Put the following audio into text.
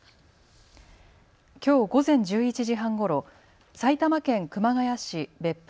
きょう午前１１時半ごろ、埼玉県熊谷市別府